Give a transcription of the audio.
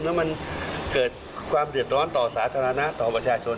แล้วมันเกิดความเดือดร้อนต่อสาธารณะต่อประชาชน